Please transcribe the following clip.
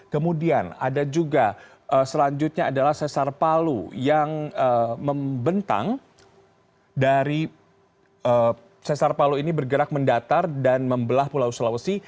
kemudian ada juga selanjutnya adalah sesar palu yang membentang dari sesar palu ini bergerak mendatar dan membelah pulau sulawesi